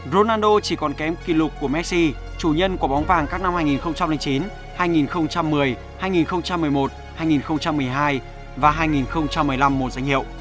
ronaldo chỉ còn kém kỷ lục của messee chủ nhân của bóng vàng các năm hai nghìn chín hai nghìn một mươi hai nghìn một mươi một hai nghìn một mươi hai và hai nghìn một mươi năm một danh hiệu